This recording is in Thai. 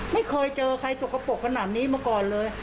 ไม่เคยเจอใครสกปรกขนาดนี้มาก่อนเลย